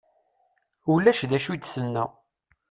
Ulac d acu i d-tenna.